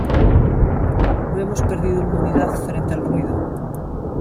No hemos perdido inmunidad frente al ruido.